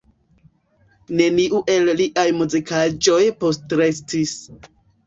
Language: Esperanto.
Neniu el liaj muzikaĵoj postrestis.